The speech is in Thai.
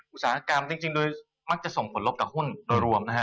อุตสาหกรรมจริงโดยมักจะส่งผลลบกับหุ้นโดยรวมนะฮะ